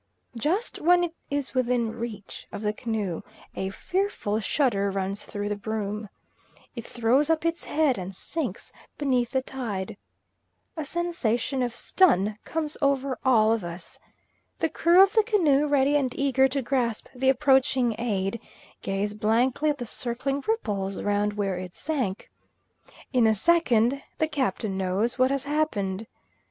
Just when it is within reach of the canoe, a fearful shudder runs through the broom. It throws up its head and sinks beneath the tide. A sensation of stun comes over all of us. The crew of the canoe, ready and eager to grasp the approaching aid, gaze blankly at the circling ripples round where it sank. In a second the Captain knows what has happened.